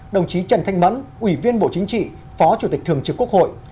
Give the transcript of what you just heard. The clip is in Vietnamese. đồng chí trần thanh mẫn ủy viên bộ chính trị phó chủ tịch thường trực quốc hội